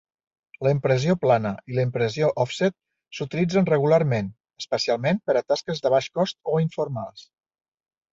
La impressió plana i la impressió òfset s'utilitzen regularment, especialment per a tasques de baix cost o informals.